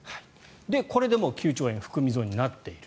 これでもう９兆円含み損になっている。